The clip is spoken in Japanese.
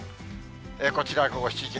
こちら午後７時。